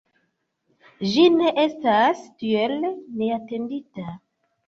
Ĝi ne estas tiel neatendita.